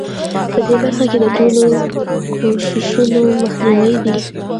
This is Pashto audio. په دې برخه کې د ټولو کوښښونو مخنیوی دی.